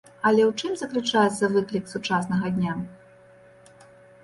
Але ў чым заключаецца выклік сучаснага дня?